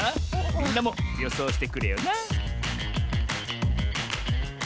みんなもよそうしてくれよな